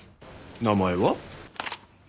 名前は？